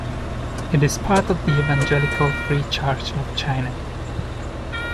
It is part of the Evangelical Free Church of China.